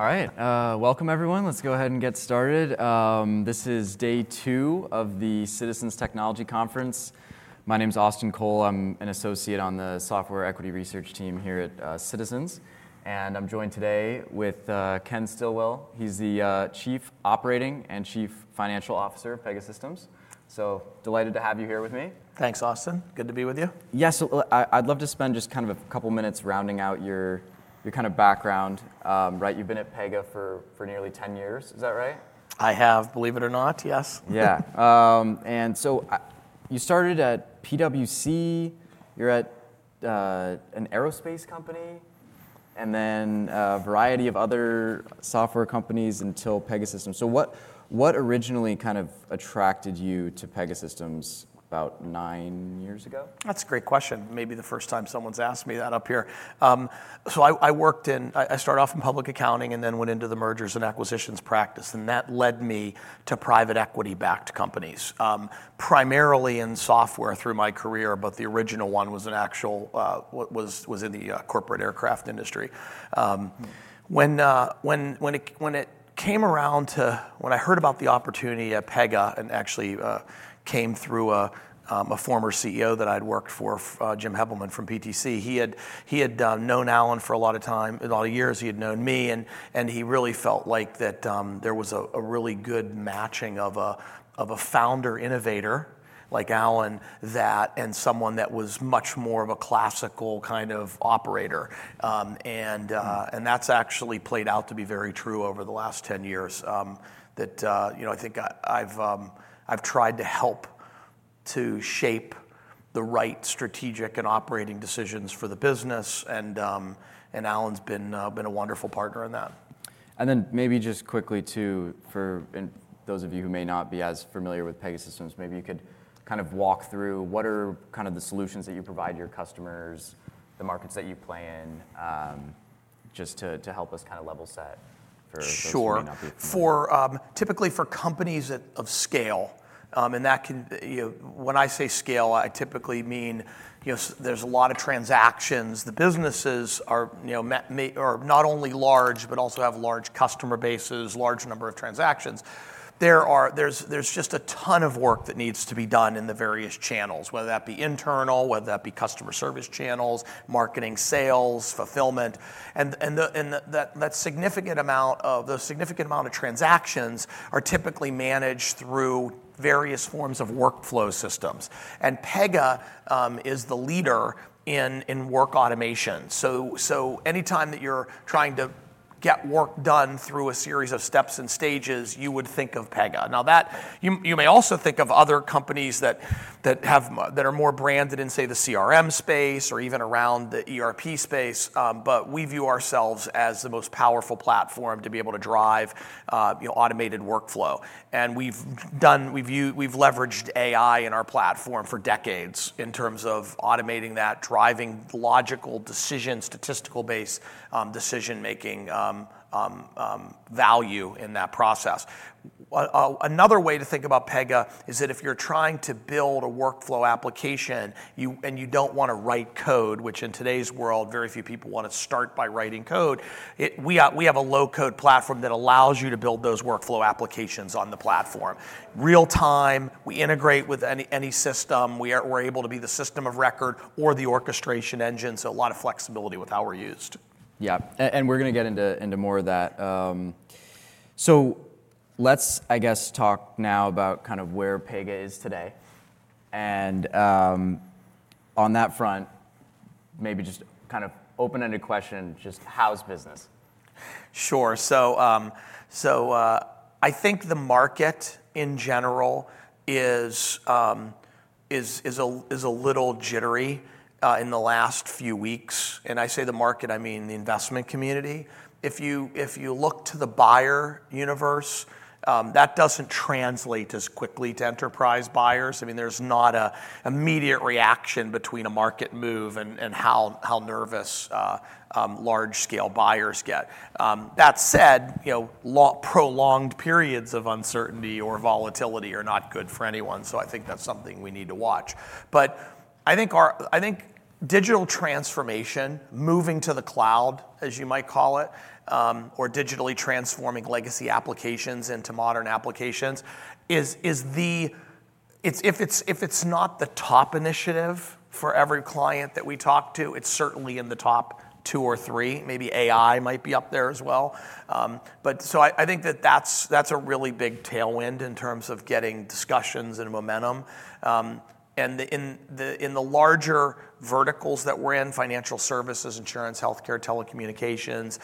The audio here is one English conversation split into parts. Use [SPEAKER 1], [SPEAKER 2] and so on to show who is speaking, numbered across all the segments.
[SPEAKER 1] All right. Welcome, everyone. Let's go ahead and get started. This is day two of the Citizens Technology Conference. My name's Austin Cole. I'm an associate on the Software Equity Research team here at Citizens. And I'm joined today with Ken Stillwell. He's the Chief Operating and Chief Financial Officer of Pegasystems. So delighted to have you here with me.
[SPEAKER 2] Thanks, Austin. Good to be with you.
[SPEAKER 1] Yes. I'd love to spend just kind of a couple minutes rounding out your kind of background. Right? You've been at Pega for nearly 10 years. Is that right?
[SPEAKER 2] I have, believe it or not, yes.
[SPEAKER 1] Yeah. And so you started at PwC. You're at an aerospace company and then a variety of other software companies until Pegasystems. So what originally kind of attracted you to Pegasystems about nine years ago?
[SPEAKER 2] That's a great question. Maybe the first time someone's asked me that up here. So I started off in public accounting and then went into the mergers and acquisitions practice. And that led me to private equity-backed companies, primarily in software through my career. But the original one was in the corporate aircraft industry. When I heard about the opportunity at Pega and actually came through a former CEO that I'd worked for, Jim Heppelmann from PTC, he had known Alan for a lot of time, a lot of years. He had known me. And he really felt like that there was a really good matching of a founder/innovator like Alan and someone that was much more of a classical kind of operator. That's actually played out to be very true over the last 10 years that I think I've tried to help to shape the right strategic and operating decisions for the business. Alan's been a wonderful partner in that.
[SPEAKER 1] And then maybe just quickly too, for those of you who may not be as familiar with Pegasystems, maybe you could kind of walk through what are kind of the solutions that you provide your customers, the markets that you play in, just to help us kind of level set for those who may not be familiar.
[SPEAKER 2] Sure. Typically for companies of scale, and when I say scale, I typically mean there's a lot of transactions. The businesses are not only large but also have large customer bases, large number of transactions. There's just a ton of work that needs to be done in the various channels, whether that be internal, whether that be customer service channels, marketing, sales, fulfillment, and that significant amount of transactions are typically managed through various forms of workflow systems. Pega is the leader in workflow automation, so any time that you're trying to get work done through a series of steps and stages, you would think of Pega. Now, you may also think of other companies that are more branded in, say, the CRM space or even around the ERP space. But we view ourselves as the most powerful platform to be able to drive automated workflow. And we've leveraged AI in our platform for decades in terms of automating that, driving logical decisions, statistical-based decision-making value in that process. Another way to think about Pega is that if you're trying to build a workflow application and you don't want to write code, which in today's world, very few people want to start by writing code, we have a low-code platform that allows you to build those workflow applications on the platform. Real-time, we integrate with any system. We're able to be the system of record or the orchestration engine. So a lot of flexibility with how we're used.
[SPEAKER 1] Yeah. And we're going to get into more of that. So let's, I guess, talk now about kind of where Pega is today. And on that front, maybe just kind of open-ended question, just how's business?
[SPEAKER 2] Sure, so I think the market in general is a little jittery in the last few weeks, and I say the market, I mean the investment community. If you look to the buyer universe, that doesn't translate as quickly to enterprise buyers. I mean, there's not an immediate reaction between a market move and how nervous large-scale buyers get. That said, prolonged periods of uncertainty or volatility are not good for anyone, so I think that's something we need to watch, but I think digital transformation, moving to the cloud, as you might call it, or digitally transforming legacy applications into modern applications is the, if it's not the top initiative for every client that we talk to, it's certainly in the top two or three. Maybe AI might be up there as well, so I think that that's a really big tailwind in terms of getting discussions and momentum. In the larger verticals that we're in, financial services, insurance, healthcare, telecommunications,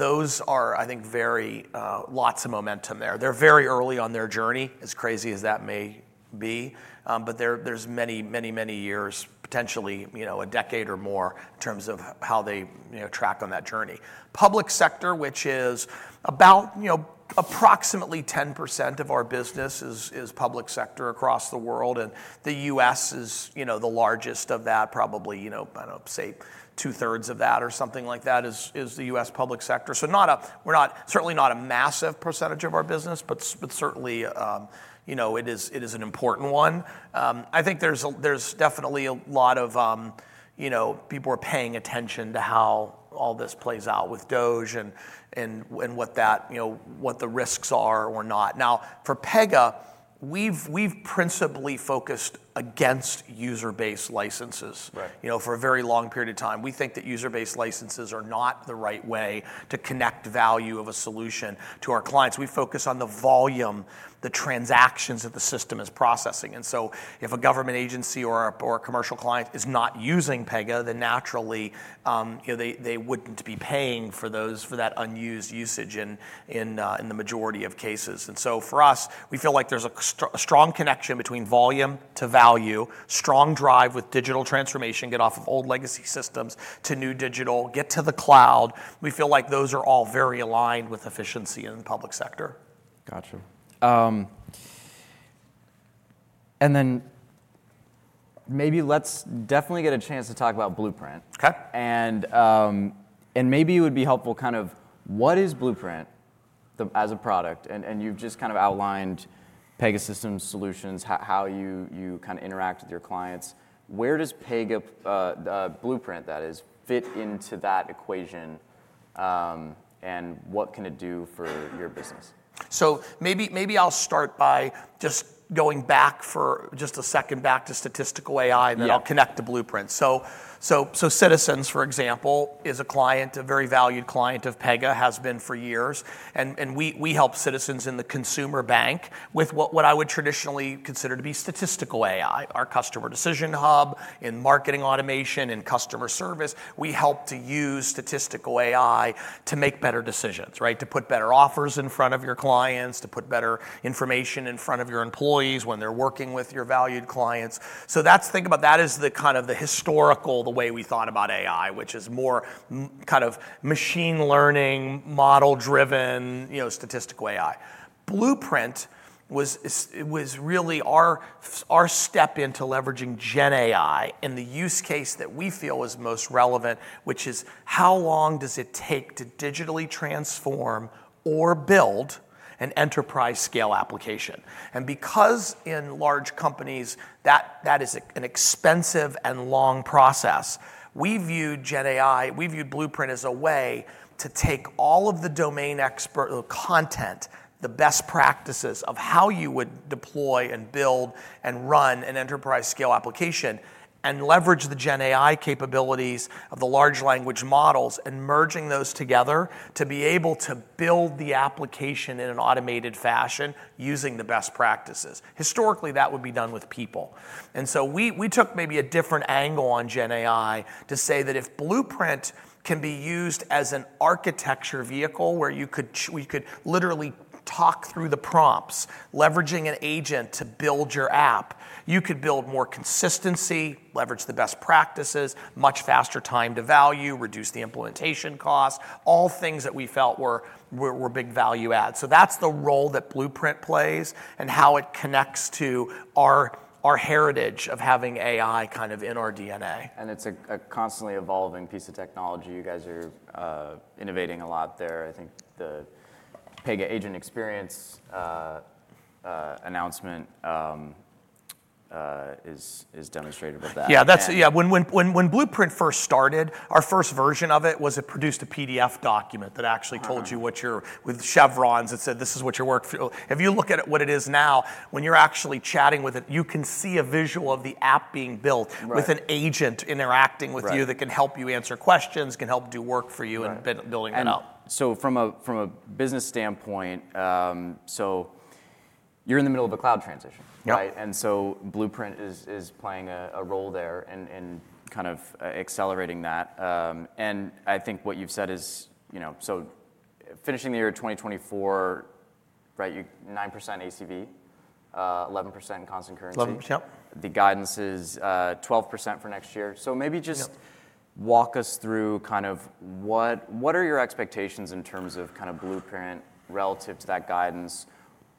[SPEAKER 2] those are, I think, very lots of momentum there. They're very early on their journey, as crazy as that may be. There's many, many, many years, potentially a decade or more in terms of how they track on that journey. Public sector, which is about approximately 10% of our business, is public sector across the world. The U.S. is the largest of that, probably, I don't know, say two-thirds of that or something like that is the U.S. public sector. We're certainly not a massive percentage of our business, but certainly it is an important one. I think there's definitely a lot of people are paying attention to how all this plays out with DOGE and what the risks are or not. Now, for Pega, we've principally focused against user-based licenses for a very long period of time. We think that user-based licenses are not the right way to connect value of a solution to our clients. We focus on the volume, the transactions that the system is processing, and so if a government agency or a commercial client is not using Pega, then naturally they wouldn't be paying for that unused usage in the majority of cases, and so for us, we feel like there's a strong connection between volume to value, strong drive with digital transformation, get off of old legacy systems to new digital, get to the cloud. We feel like those are all very aligned with efficiency in the public sector.
[SPEAKER 1] Gotcha. And then, maybe let's definitely get a chance to talk about Blueprint. And maybe it would be helpful, kind of, what is Blueprint as a product? And you've just kind of outlined Pegasystems' solutions, how you kind of interact with your clients. Where does Pega Blueprint, that is, fit into that equation? And what can it do for your business?
[SPEAKER 2] So maybe I'll start by just going back for just a second back to statistical AI, and then I'll connect to Blueprint. Citizens, for example, is a client, a very valued client of Pega, and has been for years. We help Citizens in the consumer bank with what I would traditionally consider to be statistical AI, our Customer Decision Hub in marketing automation and customer service. We help to use statistical AI to make better decisions, to put better offers in front of your clients, to put better information in front of your employees when they're working with your valued clients. Think about that as the kind of the historical, the way we thought about AI, which is more kind of machine learning, model-driven statistical AI. Blueprint was really our step into leveraging Gen AI in the use case that we feel is most relevant, which is how long does it take to digitally transform or build an enterprise-scale application, and because in large companies that is an expensive and long process, we viewed Gen AI, we viewed Blueprint as a way to take all of the domain expert content, the best practices of how you would deploy and build and run an enterprise-scale application and leverage the Gen AI capabilities of the large language models and merging those together to be able to build the application in an automated fashion using the best practices. Historically, that would be done with people. And so we took maybe a different angle on Gen AI to say that if Blueprint can be used as an architecture vehicle where you could literally talk through the prompts, leveraging an agent to build your app, you could build more consistency, leverage the best practices, much faster time to value, reduce the implementation cost, all things that we felt were big value-add. So that's the role that Blueprint plays and how it connects to our heritage of having AI kind of in our DNA.
[SPEAKER 1] And it's a constantly evolving piece of technology. You guys are innovating a lot there. I think the Pega agent experience announcement is demonstrated with that.
[SPEAKER 2] Yeah. When Blueprint first started, our first version of it was produced a PDF document that actually told you what your with chevrons. It said, this is what your work. If you look at what it is now, when you're actually chatting with it, you can see a visual of the app being built with an agent interacting with you that can help you answer questions, can help do work for you in building that out.
[SPEAKER 1] From a business standpoint, you're in the middle of a cloud transition. Blueprint is playing a role there in kind of accelerating that. I think what you've said is finishing the year 2024, right? 9% ACV, 11% in constant currency.
[SPEAKER 2] 11%.
[SPEAKER 1] The guidance is 12% for next year. So maybe just walk us through kind of what are your expectations in terms of kind of Blueprint relative to that guidance?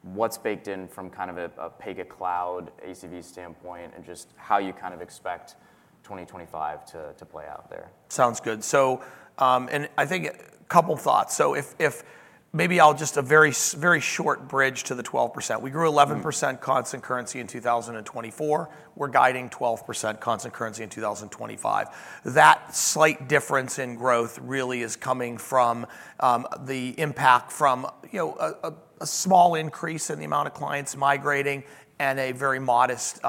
[SPEAKER 1] What's baked in from kind of a Pega Cloud ACV standpoint and just how you kind of expect 2025 to play out there?
[SPEAKER 2] Sounds good, and I think a couple thoughts. So, maybe I'll just a very short bridge to the 12%. We grew 11% constant currency in 2024. We're guiding 12% constant currency in 2025. That slight difference in growth really is coming from the impact from a small increase in the amount of clients migrating and a very modest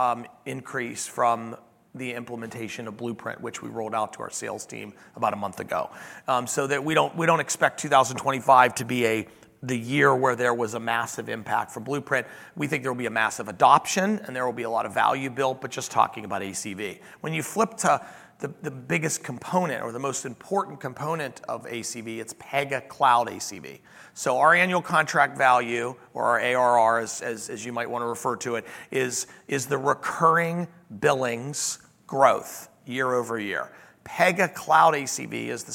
[SPEAKER 2] increase from the implementation of Blueprint, which we rolled out to our sales team about a month ago. So, we don't expect 2025 to be the year where there was a massive impact for Blueprint. We think there will be a massive adoption and there will be a lot of value built, but just talking about ACV. When you flip to the biggest component or the most important component of ACV, it's Pega Cloud ACV. So our annual contract value or our ARR, as you might want to refer to it, is the recurring billings growth year over year. Pega Cloud ACV is the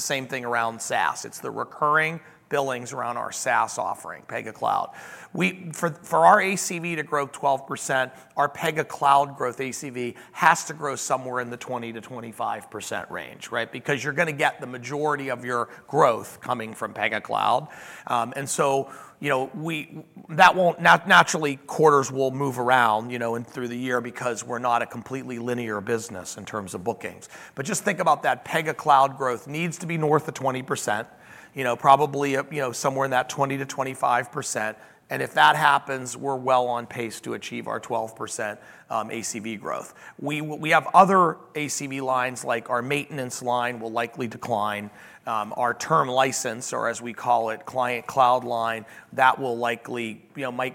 [SPEAKER 2] same thing around SaaS. It's the recurring billings around our SaaS offering, Pega Cloud. For our ACV to grow 12%, our Pega Cloud growth ACV has to grow somewhere in the 20%-25% range, right, because you're going to get the majority of your growth coming from Pega Cloud. And so naturally, quarters will move around through the year because we're not a completely linear business in terms of bookings. But just think about that. Pega Cloud growth needs to be north of 20%, probably somewhere in that 20%-25%. And if that happens, we're well on pace to achieve our 12% ACV growth. We have other ACV lines, like our maintenance line will likely decline. Our term license, or as we call it, Client Cloud line, that will likely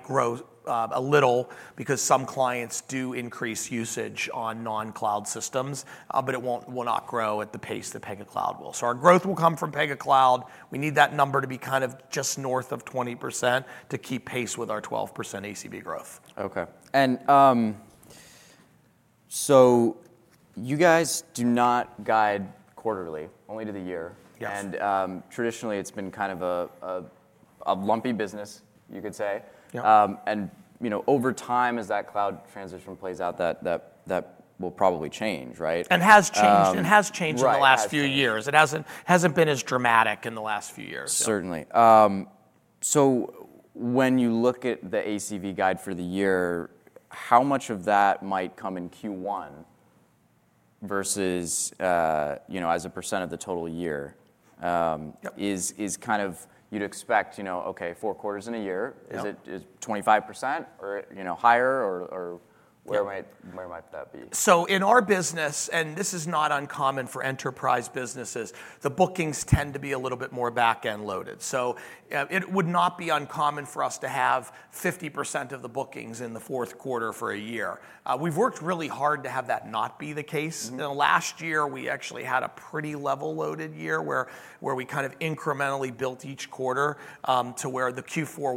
[SPEAKER 2] grow a little because some clients do increase usage on non-cloud systems, but it will not grow at the pace that Pega Cloud will. So our growth will come from Pega Cloud. We need that number to be kind of just north of 20% to keep pace with our 12% ACV growth.
[SPEAKER 1] Okay. And so you guys do not guide quarterly, only to the year. And traditionally, it's been kind of a lumpy business, you could say. And over time, as that cloud transition plays out, that will probably change, right?
[SPEAKER 2] And has changed in the last few years. It hasn't been as dramatic in the last few years.
[SPEAKER 1] Certainly, so when you look at the ACV guide for the year, how much of that might come in Q1 versus as a percent of the total year is kind of you'd expect, okay, four quarters in a year, is it 25% or higher? Or where might that be?
[SPEAKER 2] So in our business, and this is not uncommon for enterprise businesses, the bookings tend to be a little bit more back-end loaded. So it would not be uncommon for us to have 50% of the bookings in the fourth quarter for a year. We've worked really hard to have that not be the case. Last year, we actually had a pretty level loaded year where we kind of incrementally built each quarter to where the Q4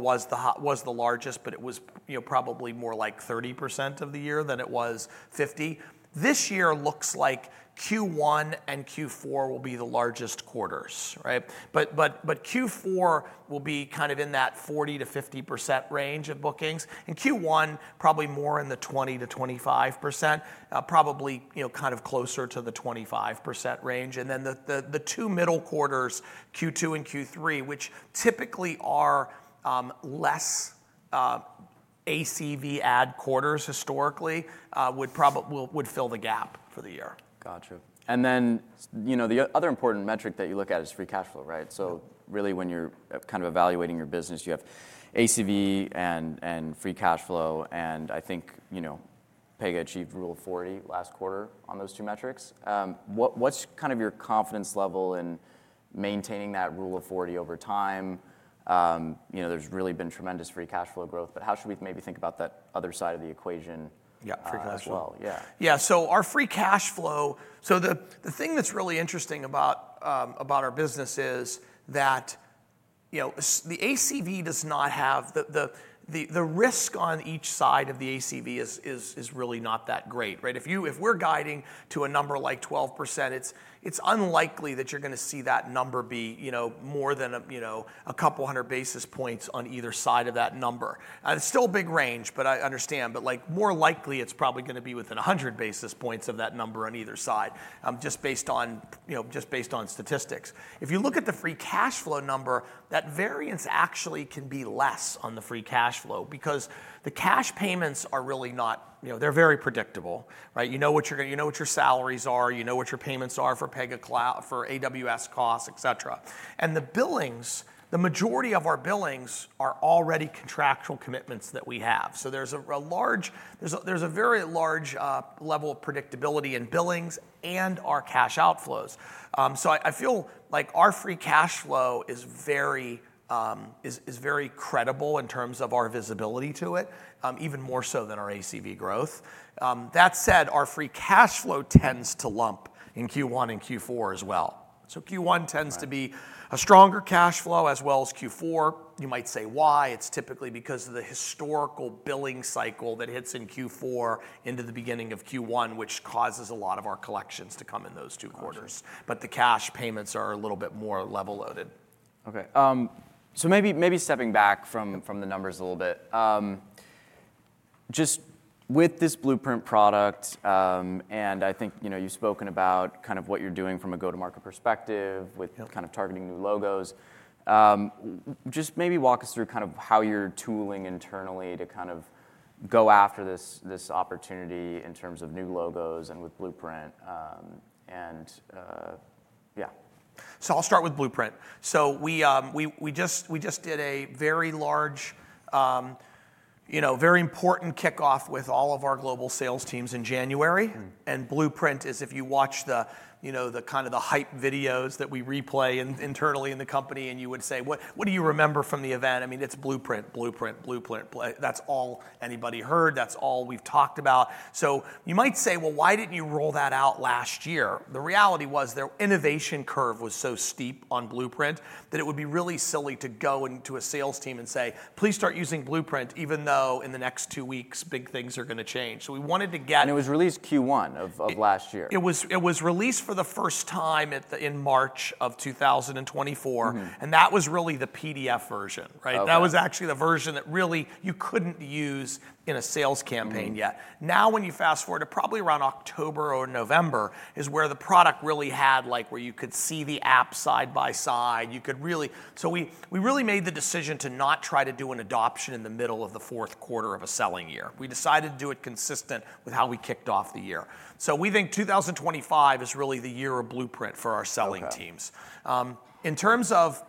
[SPEAKER 2] was the largest, but it was probably more like 30% of the year than it was 50%. This year looks like Q1 and Q4 will be the largest quarters, right? But Q4 will be kind of in that 40%-50% range of bookings. And Q1, probably more in the 20%-25%, probably kind of closer to the 25% range. And then the two middle quarters, Q2 and Q3, which typically are less ACV add quarters historically, would fill the gap for the year.
[SPEAKER 1] Gotcha. And then the other important metric that you look at is free cash flow, right? So really when you're kind of evaluating your business, you have ACV and free cash flow. And I think Pega achieved Rule of 40 last quarter on those two metrics. What's kind of your confidence level in maintaining that Rule of 40 over time? There's really been tremendous free cash flow growth, but how should we maybe think about that other side of the equation as well?
[SPEAKER 2] Yeah. So our free cash flow, so the thing that's really interesting about our business is that the ACV does not have the risk on each side of the ACV is really not that great, right? If we're guiding to a number like 12%, it's unlikely that you're going to see that number be more than a couple hundred basis points on either side of that number. It's still a big range, but I understand. But more likely, it's probably going to be within 100 basis points of that number on either side, just based on statistics. If you look at the free cash flow number, that variance actually can be less on the free cash flow because the cash payments are really not, they're very predictable, right? You know what your salaries are. You know what your payments are for AWS costs, etc. And the billings, the majority of our billings are already contractual commitments that we have. So there's a large, there's very large level of predictability in billings and our cash outflows. So I feel like our free cash flow is very credible in terms of our visibility to it, even more so than our ACV growth. That said, our free cash flow tends to lump in Q1 and Q4 as well. So Q1 tends to be a stronger cash flow as well as Q4. You might say why. It's typically because of the historical billing cycle that hits in Q4 into the beginning of Q1, which causes a lot of our collections to come in those two quarters. But the cash payments are a little bit more level loaded.
[SPEAKER 1] Okay. So maybe stepping back from the numbers a little bit, just with this Blueprint product, and I think you've spoken about kind of what you're doing from a go-to-market perspective with kind of targeting new logos, just maybe walk us through kind of how you're tooling internally to kind of go after this opportunity in terms of new logos and with Blueprint and yeah?
[SPEAKER 2] So I'll start with Blueprint. So we just did a very large, very important kickoff with all of our global sales teams in January. And Blueprint is if you watch the kind of the hype videos that we replay internally in the company, and you would say, what do you remember from the event? I mean, it's Blueprint, Blueprint, Blueprint. That's all anybody heard. That's all we've talked about. So you might say, well, why didn't you roll that out last year? The reality was their innovation curve was so steep on Blueprint that it would be really silly to go into a sales team and say, please start using Blueprint, even though in the next two weeks, big things are going to change. So we wanted to get.
[SPEAKER 1] It was released Q1 of last year.
[SPEAKER 2] It was released for the first time in March of 2024, and that was really the PDF version, right? That was actually the version that really you couldn't use in a sales campaign yet. Now when you fast forward to probably around October or November is where the product really had where you could see the app side-by-side, so we really made the decision to not try to do an adoption in the middle of the fourth quarter of a selling year. We decided to do it consistent with how we kicked off the year, so we think 2025 is really the year of Blueprint for our selling teams. In terms of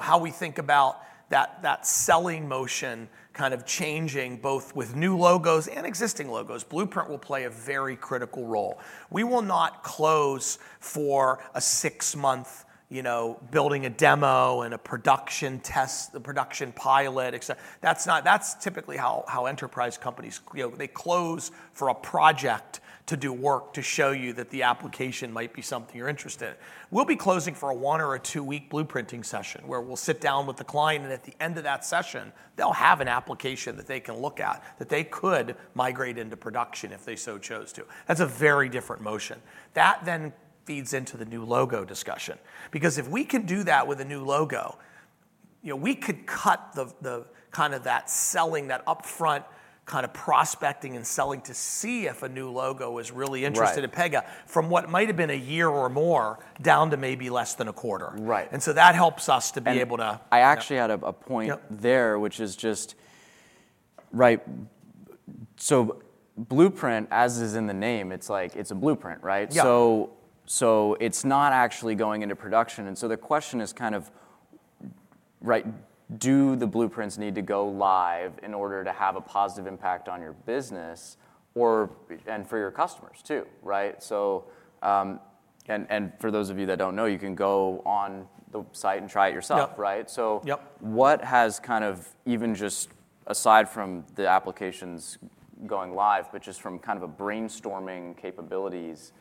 [SPEAKER 2] how we think about that selling motion kind of changing both with new logos and existing logos, Blueprint will play a very critical role. We will not close for a six month building a demo and a production test, the production pilot, etc. That's typically how enterprise companies, they close for a project to do work to show you that the application might be something you're interested in. We'll be closing for a one or two-week Blueprinting session where we'll sit down with the client, and at the end of that session, they'll have an application that they can look at that they could migrate into production if they so chose to. That's a very different motion. That then feeds into the new logo discussion. Because if we can do that with a new logo, we could cut the kind of that selling, that upfront kind of prospecting and selling to see if a new logo is really interested in Pega from what might have been a year or more down to maybe less than a quarter, and so that helps us to be able to.
[SPEAKER 1] I actually had a point there, which is just, right, so Blueprint, as is in the name, it's like it's a blueprint, right? So it's not actually going into production. And so the question is kind of, right, do the Blueprints need to go live in order to have a positive impact on your business and for your customers too, right? And for those of you that don't know, you can go on the site and try it yourself, right? So what has kind of even just aside from the applications going live, but just from kind of a brainstorming capabilities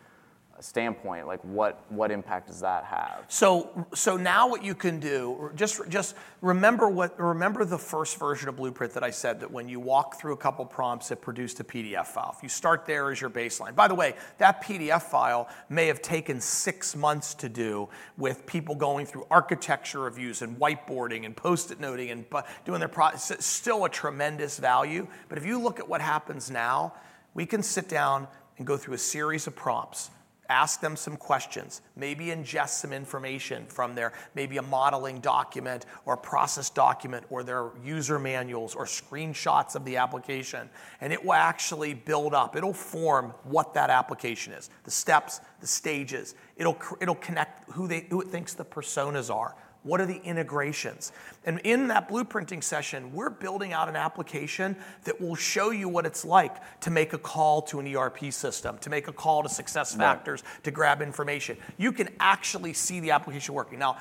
[SPEAKER 1] standpoint, what impact does that have?
[SPEAKER 2] So now what you can do, just remember the first version of Blueprint that I said that when you walk through a couple prompts, it produced a PDF file. If you start there as your baseline. By the way, that PDF file may have taken six months to do with people going through architecture reviews and whiteboarding and Post-it noting and doing their project. Still a tremendous value. But if you look at what happens now, we can sit down and go through a series of prompts, ask them some questions, maybe ingest some information from there, maybe a modeling document or a process document or their user manuals or screenshots of the application. And it will actually build up. It'll form what that application is, the steps, the stages. It'll connect who it thinks the personas are, what are the integrations. In that Blueprinting session, we're building out an application that will show you what it's like to make a call to an ERP system, to make a call to SuccessFactors, to grab information. You can actually see the application working. Now,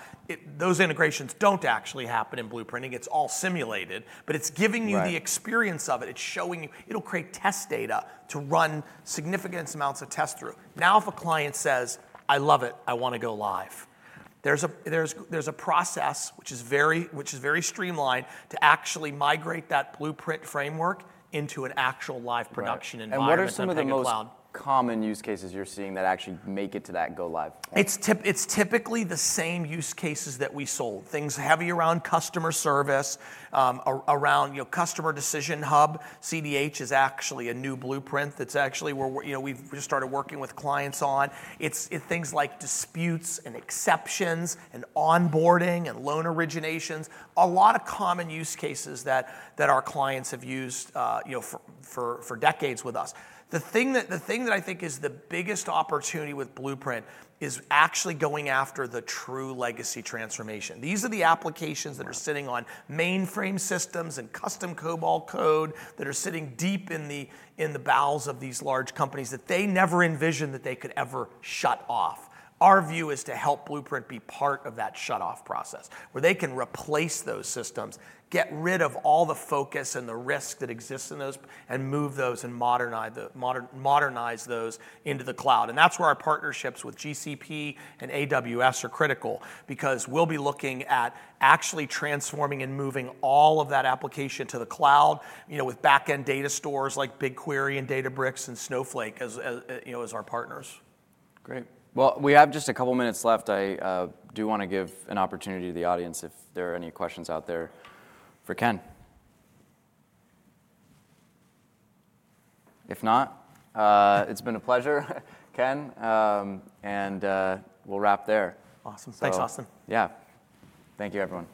[SPEAKER 2] those integrations don't actually happen in Blueprinting. It's all simulated, but it's giving you the experience of it. It's showing you. It'll create test data to run significant amounts of tests through. Now if a client says, I love it. I want to go live. There's a process which is very streamlined to actually migrate that Blueprint framework into an actual live production environment.
[SPEAKER 1] What are some of the most common use cases you're seeing that actually make it to that go live?
[SPEAKER 2] It's typically the same use cases that we sold. Things heavy around customer service, around Customer Decision Hub. CDH is actually a new Blueprint that's actually where we've just started working with clients on. It's things like disputes and exceptions and onboarding and loan originations. A lot of common use cases that our clients have used for decades with us. The thing that I think is the biggest opportunity with Blueprint is actually going after the true legacy transformation. These are the applications that are sitting on mainframe systems and custom COBOL code that are sitting deep in the bowels of these large companies that they never envisioned that they could ever shut off. Our view is to help Blueprint be part of that shut off process where they can replace those systems, get rid of all the focus and the risk that exists in those, and move those and modernize those into the cloud, and that's where our partnerships with GCP and AWS are critical because we'll be looking at actually transforming and moving all of that application to the cloud with back-end data stores like BigQuery and Databricks and Snowflake as our partners.
[SPEAKER 1] Great. Well, we have just a couple minutes left. Do wanna to give an opportunity to the audience if there are any questions out there for Ken. If not, it's been a pleasure, Ken. And we'll wrap there.
[SPEAKER 2] Awesome. Thanks, Austin.
[SPEAKER 1] Yeah. Thank you, everyone.